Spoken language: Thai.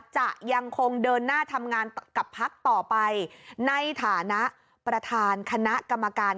จะยังคงเดินหน้าทำงานกับพักต่อไปในฐานะประธานคณะกรรมการ